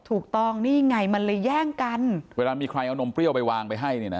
ถูกต้องนี่ไงมันเลยแย่งกันเวลามีใครเอานมเปรี้ยวไปวางไปให้เนี่ยนะ